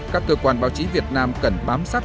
các cơ quan báo chí việt nam cần bám sát